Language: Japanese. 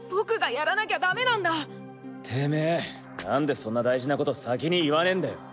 そんな大事なこと先に言わねえんだよ。